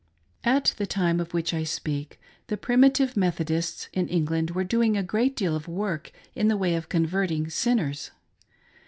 At the time of which I speak, the Primitive Methodists in England were doing a great work in the way of converting sinners.